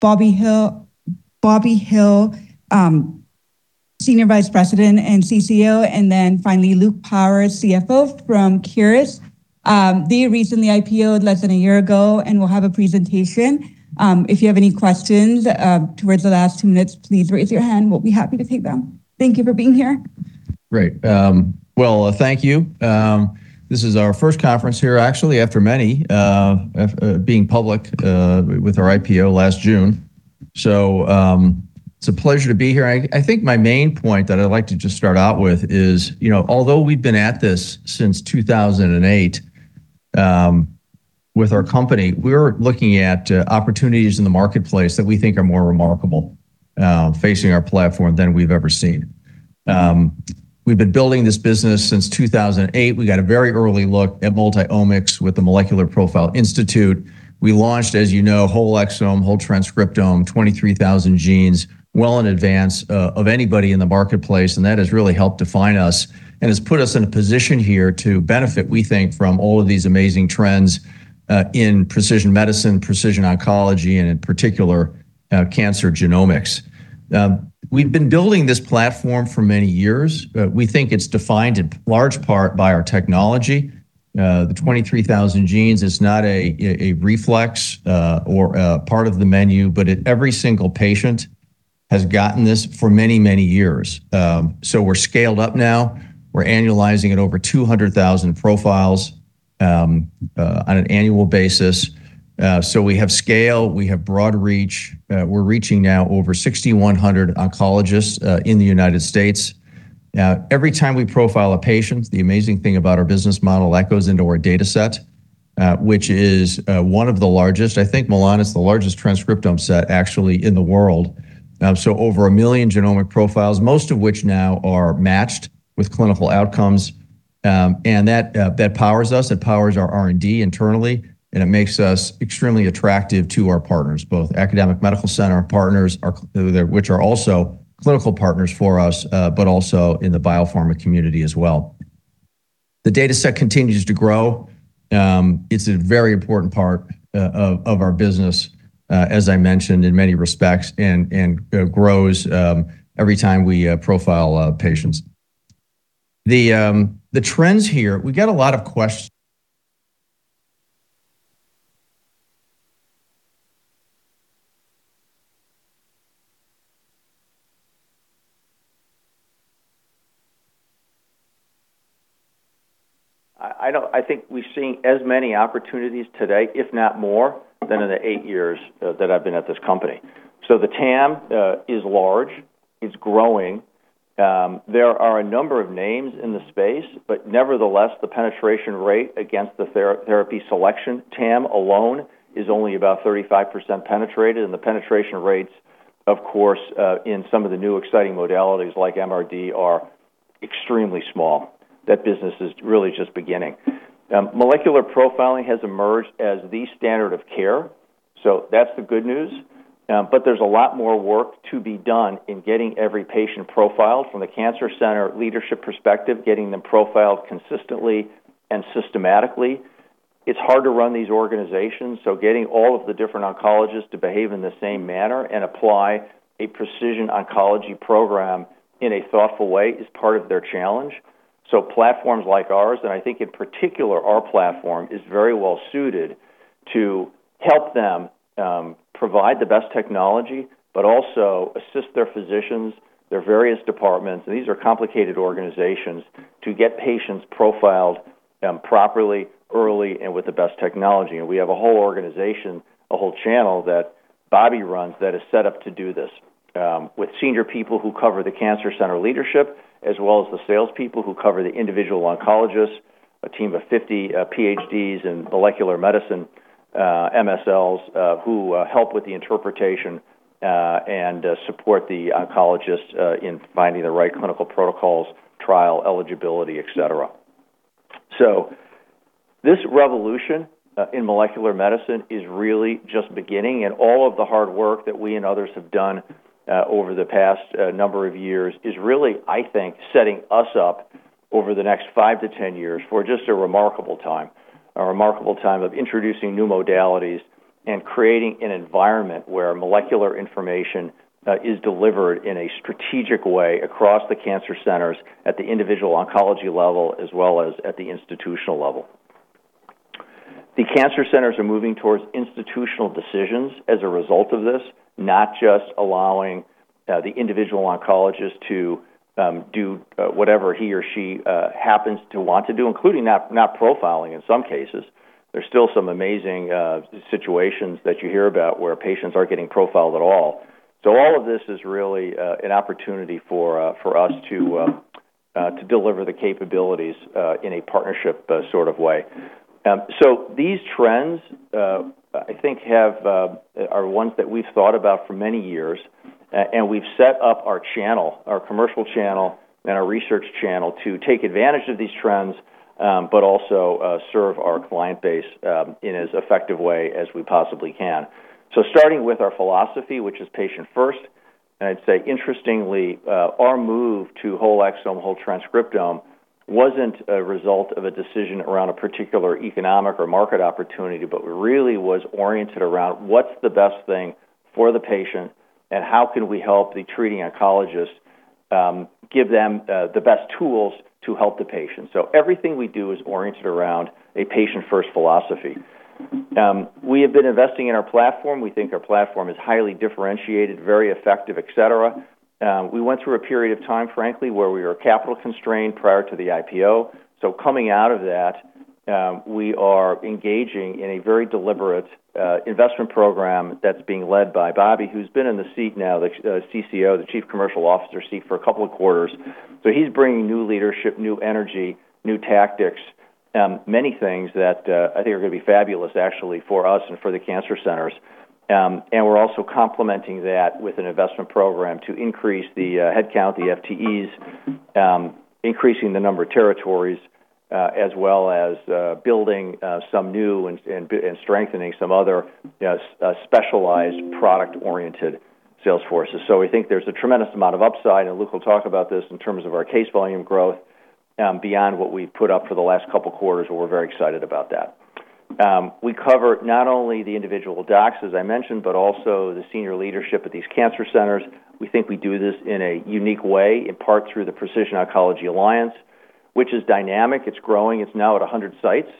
Bobby Hill, Senior Vice President and CCO, and then finally Luke Power, CFO from Caris. They recently IPO'd less than a year ago, and will have a presentation. If you have any questions, towards the last two minutes, please raise your hand. We'll be happy to take them. Thank you for being here. Great. Well, thank you. This is our first conference here, actually, after many, being public with our IPO last June, so it's a pleasure to be here. I think my main point that I'd like to just start out with is, you know, although we've been at this since 2008 with our company, we're looking at opportunities in the marketplace that we think are more remarkable facing our platform than we've ever seen. We've been building this business since 2008. We got a very early look at multi-omics with the Molecular Profiling Institute. We launched, as you know, whole exome, whole transcriptome, 23,000 genes, well in advance of anybody in the marketplace, and that has really helped define us and has put us in a position here to benefit, we think, from all of these amazing trends in precision medicine, precision oncology, and in particular, cancer genomics. We've been building this platform for many years. We think it's defined in large part by our technology. The 23,000 genes is not a reflex or part of the menu, but every single patient has gotten this for many, many years, so we're scaled up now. We're annualizing at over 200,000 profiles on an annual basis, so we have scale, we have broad reach. We're reaching now over 6,100 oncologists in the U.S. Every time we profile a patient, the amazing thing about our business model, that goes into our data set, which is one of the largest I think Milan is the largest transcriptome set actually in the world, so over one million genomic profiles, most of which now are matched with clinical outcomes, and that powers us, it powers our R&D internally, and it makes us extremely attractive to our partners, both academic medical center partners which are also clinical partners for us, but also in the biopharma community as well. The data set continues to grow. It's a very important part of our business, as I mentioned, in many respects, and grows every time we profile patients. The trends here, we get a lot of questions. I think we've seen as many opportunities today, if not more, than in the eight years that I've been at this company. So the TAM is large, is growing. There are a number of names in the space, but nevertheless, the penetration rate against the therapy selection, TAM alone is only about 35% penetrated, and the penetration rates, of course, in some of the new exciting modalities like MRD are extremely small. That business is really just beginning. Molecular profiling has emerged as the standard of care, so that's the good news, but there's a lot more work to be done in getting every patient profiled from a cancer center leadership perspective, getting them profiled consistently and systematically. It's hard to run these organizations, so getting all of the different oncologists to behave in the same manner and apply a precision oncology program in a thoughtful way is part of their challenge. So platforms like ours, and I think in particular our platform, is very well suited to help them provide the best technology, but also assist their physicians, their various departments, and these are complicated organizations, to get patients profiled properly, early, and with the best technology. We have a whole organization, a whole channel that Bobby runs that is set up to do this, with senior people who cover the cancer center leadership, as well as the salespeople who cover the individual oncologists, a team of 50 Ph.D.s in molecular medicine, MSLs, who help with the interpretation and support the oncologists in finding the right clinical protocols, trial eligibility, et cetera. This revolution in molecular medicine is really just beginning, and all of the hard work that we and others have done over the past number of years is really, I think, setting us up over the next five to 10 years for just a remarkable time, a remarkable time of introducing new modalities and creating an environment where molecular information is delivered in a strategic way across the cancer centers at the individual oncology level as well as at the institutional level. The cancer centers are moving towards institutional decisions as a result of this, not just allowing the individual oncologist to do whatever he or she happens to want to do, including not profiling in some cases. There's still some amazing situations that you hear about where patients aren't getting profiled at all. So all of this is really an opportunity for us to deliver the capabilities in a partnership sort of way. So these trends, I think have are ones that we've thought about for many years, and we've set up our channel, our commercial channel and our research channel to take advantage of these trends, but also serve our client base in as effective way as we possibly can. Starting with our philosophy, which is patient first, I'd say interestingly, our move to whole exome, whole transcriptome wasn't a result of a decision around a particular economic or market opportunity, but really was oriented around what's the best thing for the patient and how can we help the treating oncologist, give them the best tools to help the patient. So everything we do is oriented around a patient-first philosophy. We have been investing in our platform. We think our platform is highly differentiated, very effective, et cetera. We went through a period of time, frankly, where we were capital-constrained prior to the IPO, so coming out of that, we are engaging in a very deliberate investment program that's being led by Bobby, who's been in the seat now, the CCO, the Chief Commercial Officer seat for two quarters. He's bringing new leadership, new energy, new tactics, many things that I think are gonna be fabulous, actually, for us and for the cancer centers, and we're also complementing that with an investment program to increase the headcount, the FTEs, increasing the number of territories, as well as building some new and strengthening some other specialized product-oriented sales forces, so we think there's a tremendous amount of upside, and Luke will talk about this in terms of our case volume growth, beyond what we've put up for the last couple quarters, and we're very excited about that. We cover not only the individual docs, as I mentioned, but also the senior leadership at these cancer centers. We think we do this in a unique way, in part through the Precision Oncology Alliance, which is dynamic. It's growing. It's now at 100 sites.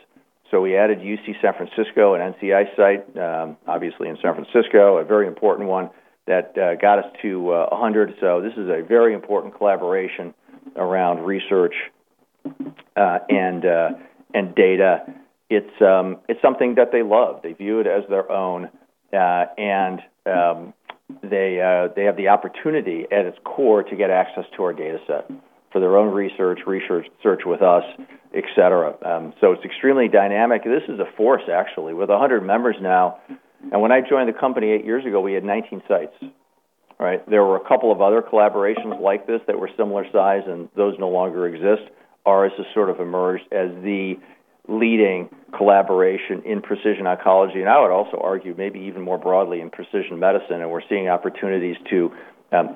So we added UC San Francisco, an NCI site, obviously in San Francisco, a very important one that got us to 100, so this is a very important collaboration around research and data. It's something that they love. They view it as their own, and they have the opportunity at its core to get access to our data set for their own research with us, et cetera. It's extremely dynamic. This is a force, actually, with 100 members now. When I joined the company eight years ago, we had 19 sites, right? There were a couple of other collaborations like this that were similar size, and those no longer exist. Ours has sort of emerged as the leading collaboration in precision oncology, and I would also argue maybe even more broadly in precision medicine, and we're seeing opportunities to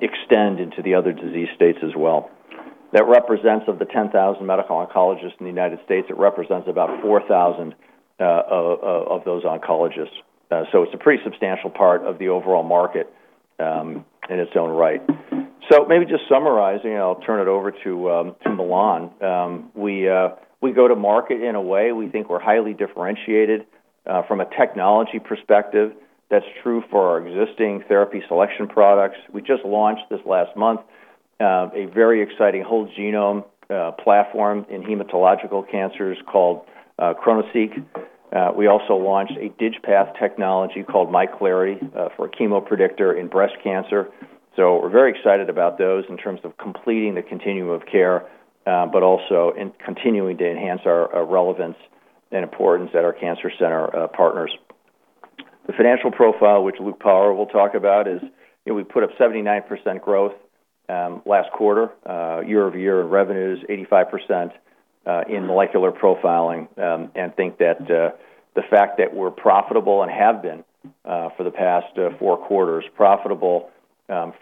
extend into the other disease states as well. That represents, of the 10,000 medical oncologists in the U.S., it represents about 4,000 of those oncologists, so it's a pretty substantial part of the overall market in its own right. Maybe just summarizing, I'll turn it over to Milan. We go to market in a way we think we're highly differentiated from a technology perspective. That's true for our existing therapy selection products. We just launched this last month, a very exciting whole genome platform in hematological cancers called ChromoSeq. We also launched a dig path technology called MI Clarity for a chemo predictor in breast cancer, so we're very excited about those in terms of completing the continuum of care, but also in continuing to enhance our relevance and importance at our cancer center partners. The financial profile, which Luke Power will talk about, is, you know, we put up 79% growth last quarter, year-over-year in revenues, 85% in molecular profiling, and think that the fact that we're profitable and have been for the past four quarters profitable,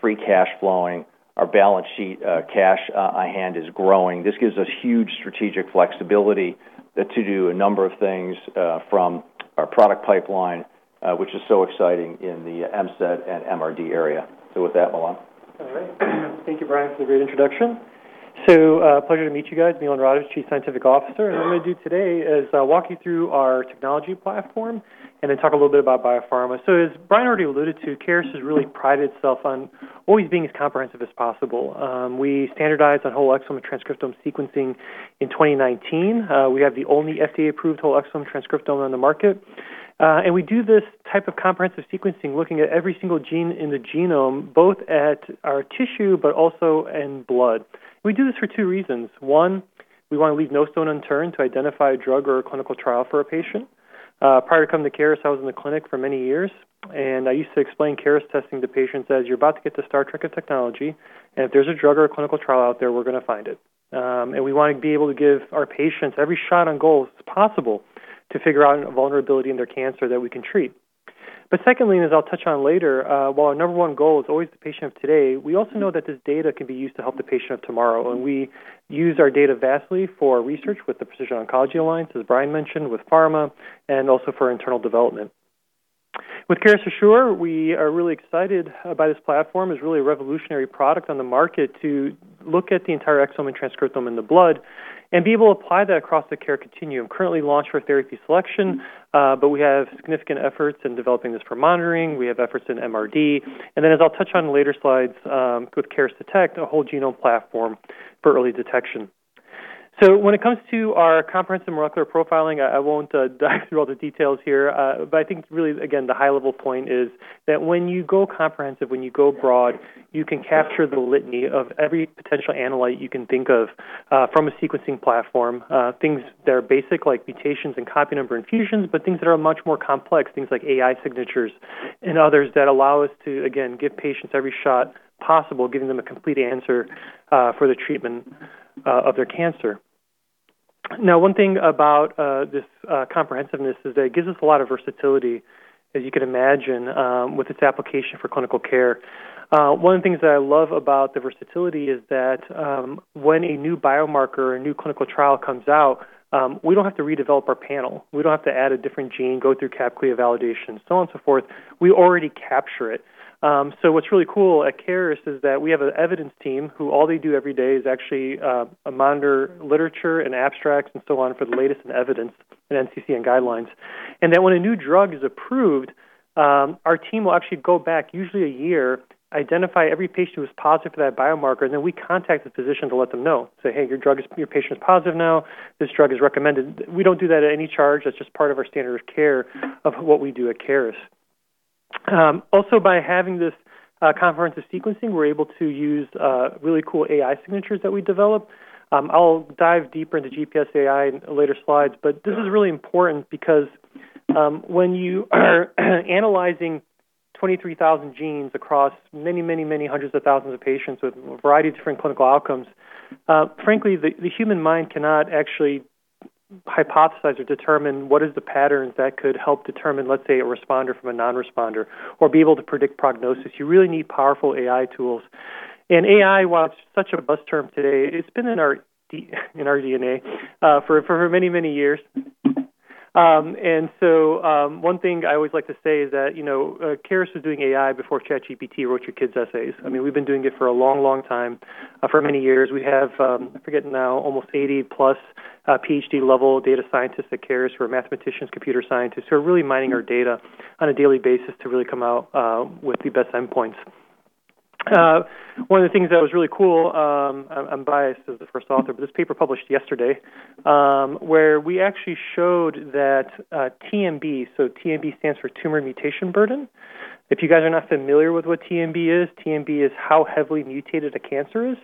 free cash flowing, our balance sheet cash on hand is growing. This gives us huge strategic flexibility to do a number of things from our product pipeline, which is so exciting in the MCED and MRD area. With that, Milan. All right. Thank you, Brian, for the great introduction. Pleasure to meet you guys. Milan Radovich, Chief Scientific Officer. What I'm gonna do today is walk you through our technology platform and then talk a little bit about biopharma. As Brian already alluded to, Caris has really prided itself on always being as comprehensive as possible. We standardized on whole exome and transcriptome sequencing in 2019. We have the only FDA-approved whole exome and transcriptome on the market, and we do this type of comprehensive sequencing looking at every single gene in the genome, both at our tissue, but also in blood. We do this for two reasons. One, we want to leave no stone unturned to identify a drug or a clinical trial for a patient. Prior to coming to Caris, I was in the clinic for many years, and I used to explain Caris testing to patients as you're about to get the Star Trek of technology, and if there's a drug or a clinical trial out there, we're gonna find it, and we want to be able to give our patients every shot on goal as possible to figure out a vulnerability in their cancer that we can treat. But secondly, and as I'll touch on later, while our number one goal is always the patient of today, we also know that this data can be used to help the patient of tomorrow, and we use our data vastly for research with the Precision Oncology Alliance, as Brian mentioned, with pharma, and also for internal development. With Caris Assure, we are really excited by this platform. It's really a revolutionary product on the market to look at the entire exome and transcriptome in the blood and be able to apply that across the care continuum. Currently launched for therapy selection, but we have significant efforts in developing this for monitoring. We have efforts in MRD, and as I'll touch on in later slides, with Caris Detect, a whole genome platform for early detection. So when it comes to our comprehensive molecular profiling, I won't dive through all the details here, but I think really, again, the high-level point is that when you go comprehensive, when you go broad, you can capture the litany of every potential analyte you can think of from a sequencing platform. Things that are basic like mutations and copy number fusions, but things that are much more complex, things like AI signatures and others that allow us to, again, give patients every shot possible, giving them a complete answer for the treatment of their cancer. One thing about this comprehensiveness is that it gives us a lot of versatility, as you can imagine, with its application for clinical care. One of the things that I love about the versatility is that when a new biomarker, a new clinical trial comes out, we don't have to redevelop our panel. We don't have to add a different gene, go through CAP/CLIA validation, so on and so forth. We already capture it. What's really cool at Caris is that we have an evidence team who all they do every day is actually monitor literature and abstracts and so on for the latest in evidence in NCCN guidelines, and then a new drug is approved, our team will actually go back, usually a year, identify every patient who is positive for that biomarker, and we contact the physician to let them know. Say, "Hey, your patient is positive now. This drug is recommended." We don't do that at any charge. That's just part of our standard of care of what we do at Caris. Also, by having this comprehensive sequencing, we're able to use really cool AI signatures that we develop. I'll dive deeper into GPSai in later slides, but this is really important because when you are analyzing 23,000 genes across many, many, many hundreds of thousands of patients with a variety of different clinical outcomes, frankly, the human mind cannot actually hypothesize or determine what is the patterns that could help determine, let's say, a responder from a non-responder or be able to predict prognosis. You really need powerful AI tools, and AI, while it's such a buzz term today, it's been in our DNA for many, many years. One thing I always like to say is that, you know, Caris was doing AI before ChatGPT wrote your kids' essays. I mean, we've been doing it for a long, long time. For many years, we have, I forget now, almost 80+ Ph.D.-level data scientists at Caris who are mathematicians, computer scientists, who are really mining our data on a daily basis to really come out with the best endpoints. One of the things that was really cool, I'm biased as the first author, but this paper published yesterday, where we actually showed that TMB, so TMB stands for tumor mutation burden. If you guys are not familiar with what TMB is, TMB is how heavily mutated a cancer is.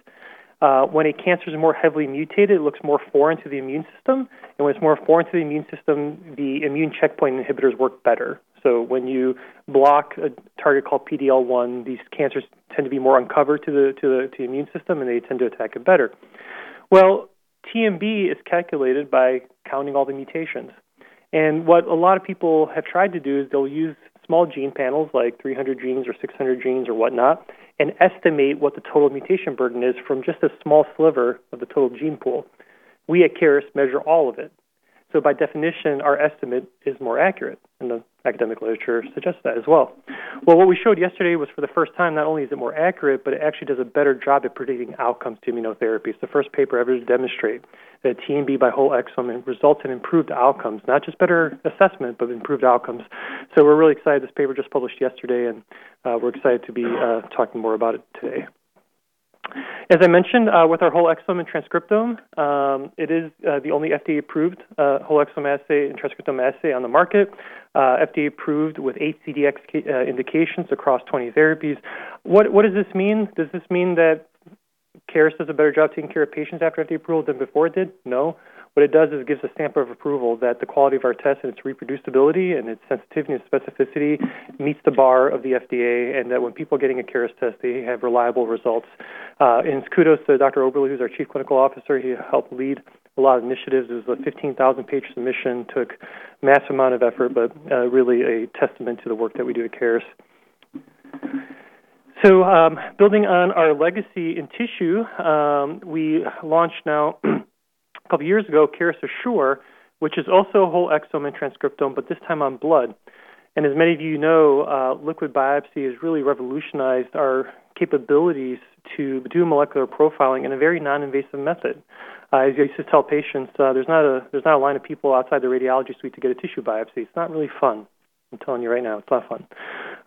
When a cancer is more heavily mutated, it looks more foreign to the immune system, and when it's more foreign to the immune system, the immune checkpoint inhibitors work better. When you block a target called PD-L1, these cancers tend to be more uncovered to the immune system, and they tend to attack it better. Well, TMB is calculated by counting all the mutations, and what a lot of people have tried to do is they'll use small gene panels like 300 genes or 600 genes or whatnot and estimate what the total mutation burden is from just a small sliver of the total gene pool. We at Caris measure all of it, so by definition, our estimate is more accurate, and the academic literature suggests that as well. What we showed yesterday was for the first time, not only is it more accurate, but it actually does a better job at predicting outcomes to immunotherapies. The first paper ever to demonstrate that TMB by whole exome results in improved outcomes, not just better assessment, but improved outcomes, so we're really excited. This paper just published yesterday, and we're excited to be talking more about it today. As I mentioned, with our whole exome and transcriptome, it is the only FDA-approved whole exome assay and transcriptome assay on the market, FDA-approved with 8 CDx indications across 20 therapies. What does this mean? Does this mean that Caris does a better job taking care of patients after FDA approval than before it did? No. What it does is it gives a stamp of approval that the quality of our test, and its reproducibility, and its sensitivity and specificity meets the bar of the FDA, and that when people are getting a Caris test, they have reliable results. Kudos to Dr. Oberley, who's our Chief Clinical Officer. He helped lead a lot of initiatives. It was a 15,000-page submission, took massive amount of effort, but really a testament to the work that we do at Caris. Building on our legacy in tissue, we launched now a couple years ago, Caris Assure, which is also whole exome and transcriptome, but this time on blood, and as many of you know, liquid biopsy has really revolutionized our capabilities to do molecular profiling in a very non-invasive method. As I used to tell patients, there's not a line of people outside the radiology suite to get a tissue biopsy. It's not really fun. I'm telling you right now, it's not fun,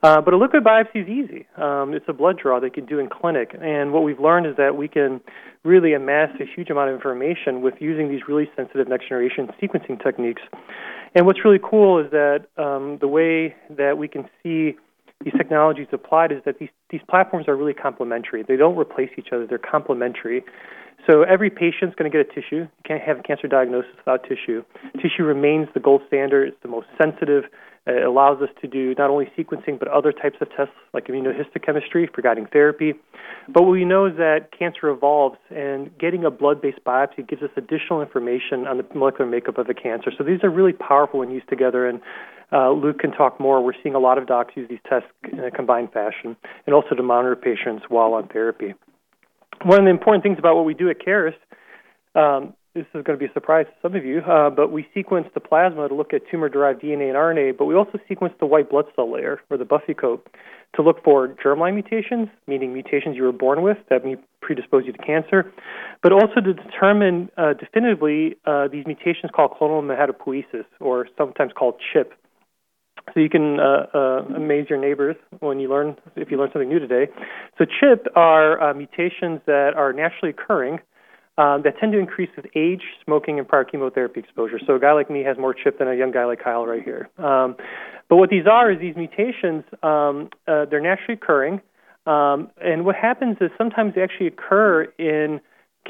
but a liquid biopsy is easy. It's a blood draw they can do in clinic. What we've learned is that we can really amass a huge amount of information with using these really sensitive next-generation sequencing techniques, and what's really cool is that the way that we can see these technologies applied is that these platforms are really complementary. They don't replace each other. They're complementary, so every patient's gonna get a tissue. You can't have a cancer diagnosis without tissue. Tissue remains the gold standard. It's the most sensitive, and it allows us to do not only sequencing, but other types of tests like immunohistochemistry for guiding therapy, but what we know is that cancer evolves, and getting a blood-based biopsy gives us additional information on the molecular makeup of the cancer, so these are really powerful when used together, and Luke can talk more. We're seeing a lot of docs use these tests in a combined fashion and also to monitor patients while on therapy. One of the important things about what we do at Caris, this is gonna be a surprise to some of you, but we sequence the plasma to look at tumor-derived DNA and RNA, but we also sequence the white blood cell layer or the buffy coat to look for germline mutations, meaning mutations you were born with that may predispose you to cancer, but also to determine definitively these mutations called clonal hematopoiesis or sometimes called CHIP. You can amaze your neighbors when you learn if you learn something new today. CHIP are mutations that are naturally occurring that tend to increase with age, smoking, and prior chemotherapy exposure. A guy like me has more CHIP than a young guy like Kyle right here. What these are is these mutations; they're naturally occurring, and what happens is sometimes they actually occur in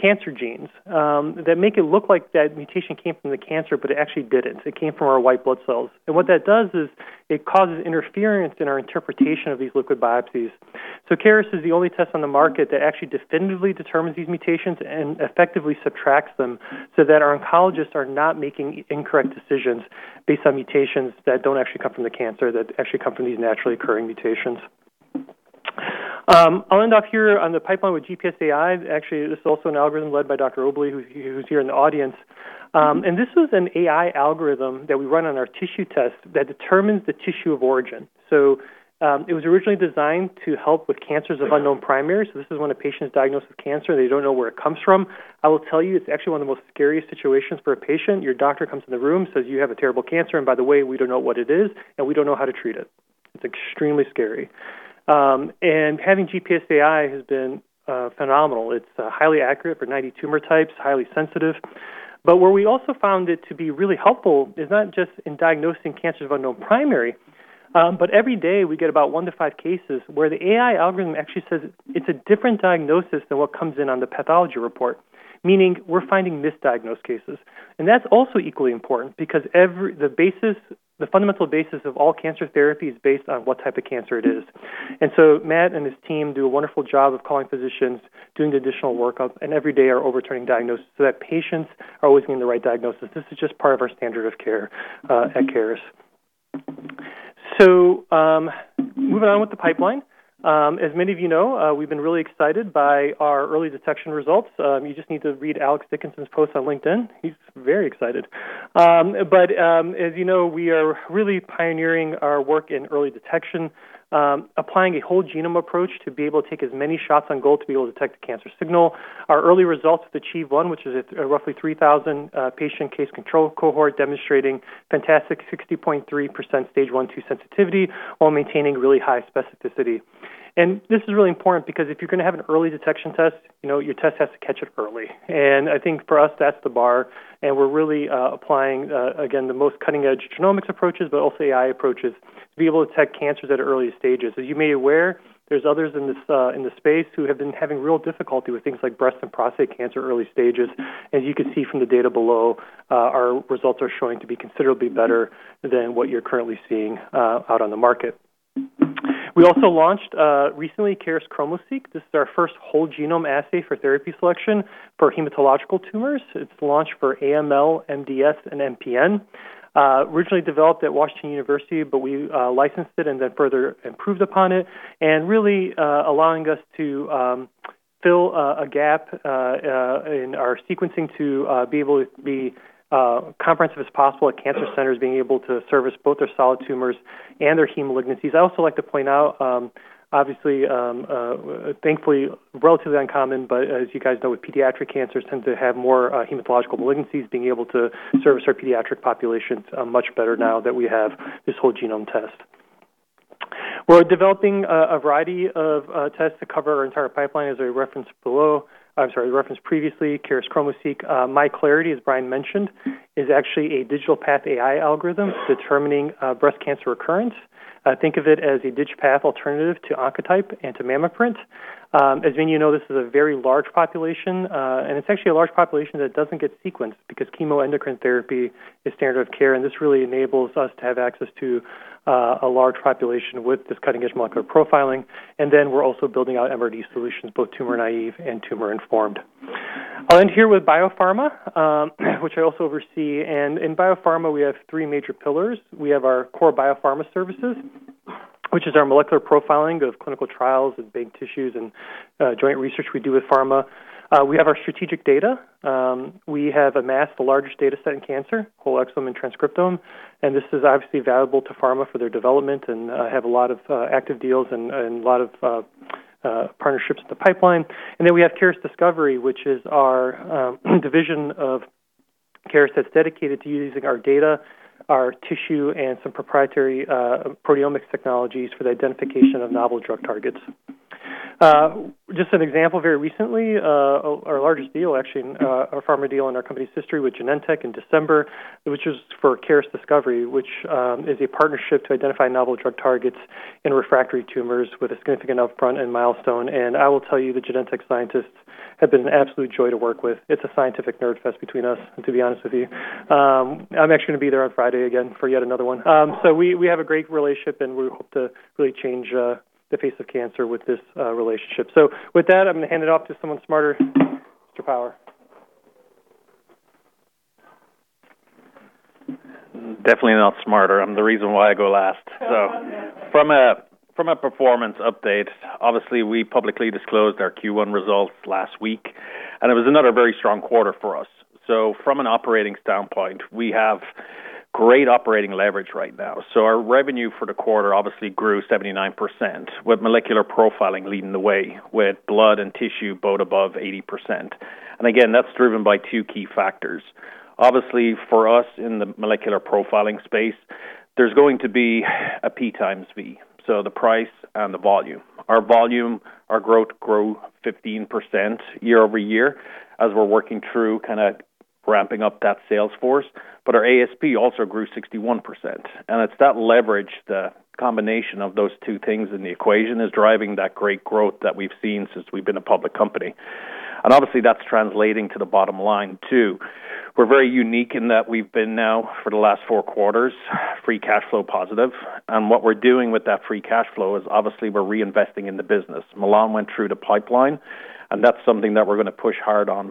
cancer genes that make it look like that mutation came from the cancer, but it actually didn't. It came from our white blood cells, and what that does is it causes interference in our interpretation of these liquid biopsies. Caris is the only test on the market that actually definitively determines these mutations and effectively subtracts them so that our oncologists are not making incorrect decisions based on mutations that don't actually come from the cancer, that actually come from these naturally occurring mutations. I'll end off here on the pipeline with GPSai. Actually, this is also an algorithm led by Dr. Oberley, who's here in the audience. This was an AI algorithm that we run on our tissue test that determines the tissue of origin. It was originally designed to help with cancers of unknown primary. This is when a patient is diagnosed with cancer, and they don't know where it comes from. I will tell you, it's actually one of the most scariest situations for a patient. Your doctor comes in the room, says, "You have a terrible cancer, and by the way, we don't know what it is, and we don't know how to treat it." It's extremely scary. Having GPSai has been phenomenal. It's highly accurate for 90 tumor types, highly sensitive. What we also found it to be really helpful is not just in diagnosing cancers of unknown primary, but every day we get about one to five cases where the AI algorithm actually says it's a different diagnosis than what comes in on the pathology report, meaning we're finding misdiagnosed cases, and that's also equally important because the fundamental basis of all cancer therapy is based on what type of cancer it is. Matt and his team do a wonderful job of calling physicians, doing the additional workup, and every day are overturning diagnoses so that patients are always getting the right diagnosis. This is just part of our standard of care at Caris. Moving on with the pipeline, as many of you know, we've been really excited by our early detection results. You just need to read Alex Dickinson's post on LinkedIn. He's very excited, but as you know, we are really pioneering our work in early detection, applying a whole genome approach to be able to take as many shots on goal to be able to detect a cancer signal. Our early results with Achieve 1, which is a roughly 3,000 patient case control cohort demonstrating fantastic 60.3% stage one two sensitivity while maintaining really high specificity, and this is really important because if you're gonna have an early detection test, you know, your test has to catch it early, and I think for us, that's the bar, and we're really applying again, the most cutting-edge genomics approaches, but also AI approaches to be able to detect cancers at early stages. As you may be aware, there's others in this, in this space who have been having real difficulty with things like breast and prostate cancer early stages. As you can see from the data below, our results are showing to be considerably better than what you're currently seeing out on the market. We also launched recently Caris ChromoSeq™. This is our first whole genome assay for therapy selection for hematological tumors. It's launched for AML, MDS, and MPN. Originally developed at Washington University, but we licensed it and then further improved upon it, and really allowing us to fill a gap in our sequencing to be able to be comprehensive as possible at cancer centers being able to service both their solid tumors and their heme malignancies. I also like to point out, obviously, thankfully, relatively uncommon, but as you guys know, with pediatric cancers tend to have more hematological malignancies, being able to service our pediatric populations much better now that we have this whole genome test. We're developing a variety of tests to cover our entire pipeline, as I referenced previously, Caris ChromoSeq™. MI Clarity, as Brian mentioned, is actually a digital path AI algorithm determining breast cancer recurrence. Think of it as a dig path alternative to Oncotype and to MammaPrint. As many of you know, this is a very large population, and it's actually a large population that doesn't get sequenced because chemoendocrine therapy is standard of care, and this really enables us to have access to a large population with this cutting-edge molecular profiling, and then we're also building out MRD solutions, both tumor-naive and tumor-informed. I'll end here with Biopharma, which I also oversee, and in Biopharma, we have three major pillars. We have our core Biopharma services, which is our molecular profiling of clinical trials and banked tissues and joint research we do with pharma. We have our strategic data. We have amassed the largest data set in cancer, whole exome and transcriptome, and this is obviously valuable to pharma for their development and have a lot of active deals and a lot of partnerships in the pipeline, and then we have Caris Discovery, which is our division of Caris that's dedicated to using our data, our tissue, and some proprietary proteomics technologies for the identification of novel drug targets. Just an example, very recently, our largest deal, our pharma deal in our company's history with Genentech in December, which is for Caris Discovery, which is a partnership to identify novel drug targets in refractory tumors with a significant upfront and milestone. I will tell you, the Genentech scientists have been an absolute joy to work with. It's a scientific nerd fest between us, to be honest with you. I'm actually gonna be there on Friday again for yet another one, so we have a great relationship, and we hope to really change the face of cancer with this relationship. With that, I'm gonna hand it off to someone smarter, Mr. Power. Definitely not smarter. I'm the reason why I go last. From a performance update, obviously, we publicly disclosed our Q1 results last week, and it was another very strong quarter for us. From an operating standpoint, we have great operating leverage right now. Our revenue for the quarter obviously grew 79%, with molecular profiling leading the way, with blood and tissue both above 80%, and again, that's driven by two key factors. Obviously, for us in the molecular profiling space, there's going to be a P*V, so the price and the volume. Our volume growth grew 15% year-over-year as we're working through kind of ramping up that sales force, but our ASP also grew 61%, and It's that leverage, the combination of those two things in the equation, is driving that great growth that we've seen since we've been a public company.i Obviously, that's translating to the bottom line too. We're very unique in that we've been now, for the last four quarters, free cash flow positive, and what we're doing with that free cash flow is obviously we're reinvesting in the business. Milan went through the pipeline, and that's something that we're gonna push hard on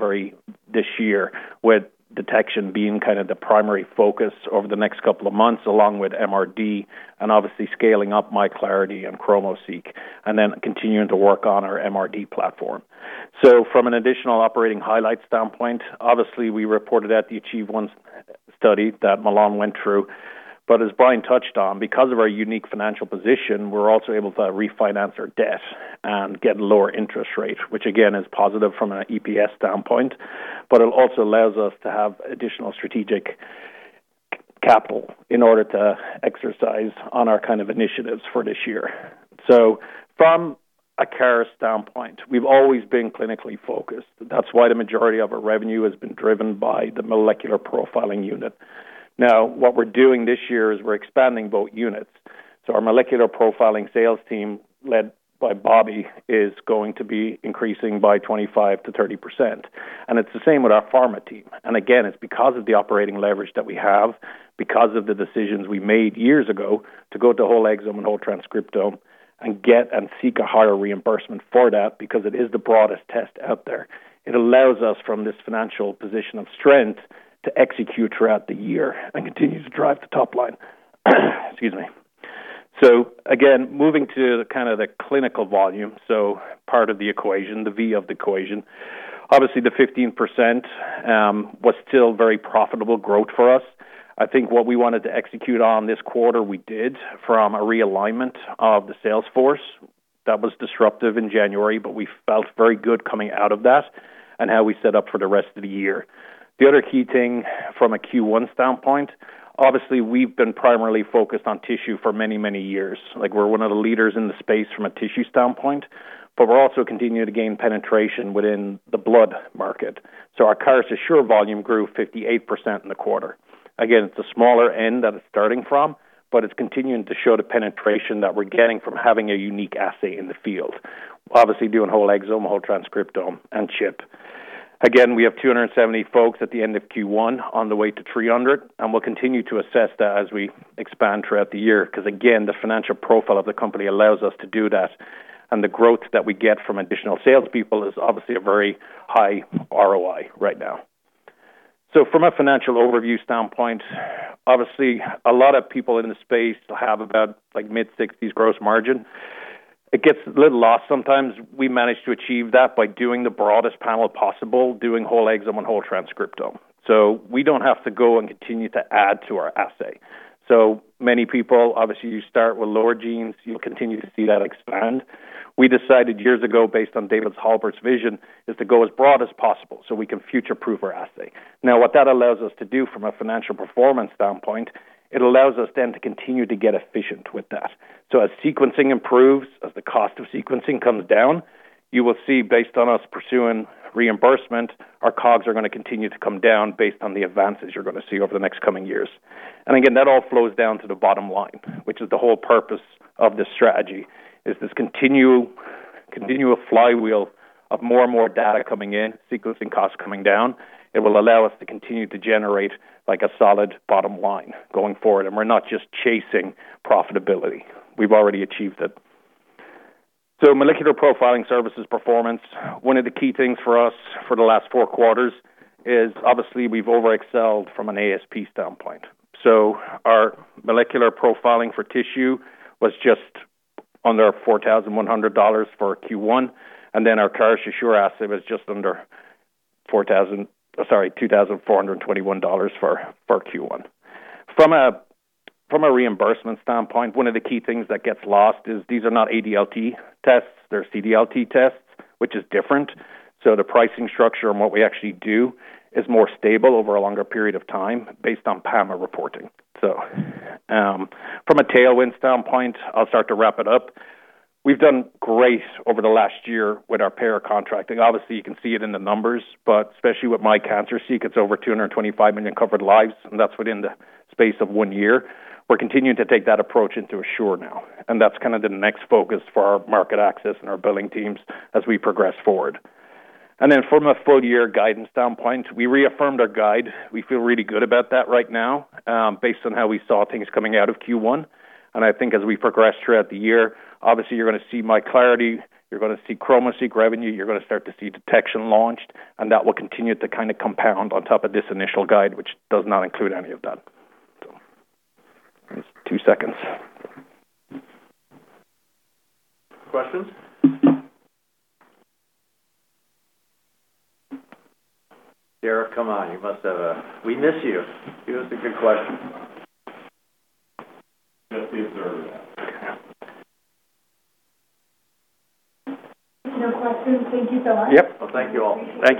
this year, with detection being kind of the primary focus over the next couple of months, along with MRD and obviously scaling up MI Clarity and ChromoSeq, and then continuing to work on our MRD platform. From an additional operating highlights standpoint, obviously, we reported at the Achieve 1 study that Milan went through. As Brian touched on, because of our unique financial position, we're also able to refinance our debt and get lower interest rate, which again, is positive from an EPS standpoint, but it also allows us to have additional strategic capital in order to exercise on our kind of initiatives for this year. So from a Caris standpoint, we've always been clinically focused. That's why the majority of our revenue has been driven by the molecular profiling unit. Now, what we're doing this year is we're expanding both units. Our molecular profiling sales team, led by Bobby, is going to be increasing by 25%-30%. It's the same with our pharma team. Again, it's because of the operating leverage that we have, because of the decisions we made years ago to go to whole exome and whole transcriptome and get and seek a higher reimbursement for that, because it is the broadest test out there. It allows us, from this financial position of strength, to execute throughout the year and continue to drive the top line. Excuse me. Again, moving to kind of the clinical volume, so part of the equation, the V of the equation. Obviously, the 15% was still very profitable growth for us. I think what we wanted to execute on this quarter, we did from a realignment of the sales force that was disruptive in January, but we felt very good coming out of that, and how we set up for the rest of the year. The other key thing from a Q1 standpoint, obviously, we've been primarily focused on tissue for many, many years. Like, we're one of the leaders in the space from a tissue standpoint, but we're also continuing to gain penetration within the blood market, so our Caris Assure volume grew 58% in the quarter. Again, it's the smaller end that it's starting from, but it's continuing to show the penetration that we're getting from having a unique assay in the field, obviously doing whole exome, whole transcriptome, and CHIP. We have 270 folks at the end of Q1 on the way to 300, and we'll continue to assess that as we expand throughout the year because again, the financial profile of the company allows us to do that, and the growth that we get from additional salespeople is obviously a very high ROI right now. From a financial overview standpoint, obviously a lot of people in the space have about, like, mid-60s gross margin. It gets a little lost sometimes. We manage to achieve that by doing the broadest panel possible, doing whole exome and whole transcriptome, so we don't have to go and continue to add to our assay. So many people, obviously, you start with lower genes, you'll continue to see that expand. We decided years ago, based on David Halbert's vision, is to go as broad as possible so we can future-proof our assay. Now, what that allows us to do from a financial performance standpoint, it allows us then to continue to get efficient with that. As sequencing improves, as the cost of sequencing comes down, you will see, based on us pursuing reimbursement, our COGS are gonna continue to come down based on the advances you're gonna see over the next coming years. Again, that all flows down to the bottom line, which is the whole purpose of this strategy, is this continual flywheel of more and more data coming in, sequencing costs coming down. It will allow us to continue to generate, like, a solid bottom line going forward, and we're not just chasing profitability. We've already achieved it. So molecular profiling services performance, one of the key things for us for the last four quarters is obviously we've over-excelled from an ASP standpoint, so our molecular profiling for tissue was just under $4,100 for Q1, and then our Caris Assure assay was just under $2,421 for Q1. From a reimbursement standpoint, one of the key things that gets lost is these are not ADLT tests, they're CDLT tests, which is different, so the pricing structure and what we actually do is more stable over a longer period of time based on PAMA reporting. From a tailwinds standpoint, I'll start to wrap it up. We've done great over the last year with our payer contracting. Obviously, you can see it in the numbers, but especially with MI Cancer Seek, it's over 225 million covered lives, and that's within the space of one year. We're continuing to take that approach into Assure now, and that's kinda the next focus for our market access and our billing teams as we progress forward. Ten, from a full-year guidance standpoint, we reaffirmed our guide. We feel really good about that right now, based on how we saw things coming out of Q1, and I think as we progress throughout the year, obviously you're gonna see MI Clarity, you're gonna see ChromoSeq revenue, you're gonna start to see Caris Detect launched, and that will continue to kinda compound on top of this initial guide, which does not include any of that. Two seconds. Questions? Derek, come on. We miss you. Give us a good question. No questions. Thank you so much. Yep. Thank you all. Thank you.